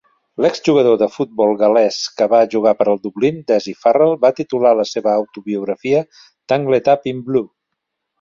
L'exjugador de futbol gal·lès que va jugar per al Dublín, Dessie Farrell, va titular la seva autobiografia "Tangled Up in Blue".